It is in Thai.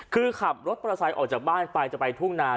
คือขับสีแบบน้ำออกจากบ้านไปจะไปทรุงนาน